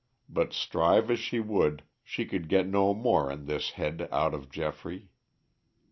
But strive as she would, she could get no more on this head out of Geoffrey.